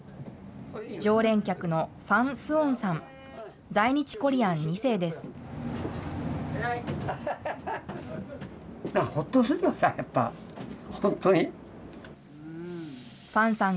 常連客のファン・スオンさん。